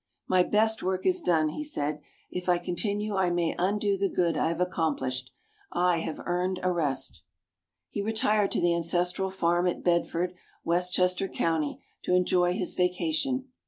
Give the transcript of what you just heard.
"My best work is done," he said; "if I continue I may undo the good I have accomplished. I have earned a rest." He retired to the ancestral farm at Bedford, Westchester County, to enjoy his vacation.